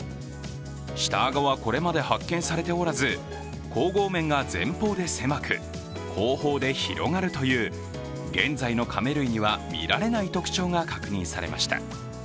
下顎はこれまで発見されておらず、咬合面が前方で狭く、後方で広がるという、現在のカメ類には見られない特徴が確認されました。